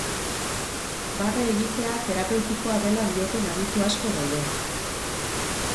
Barre egitea terapeutikoa dela dioten aditu asko daude.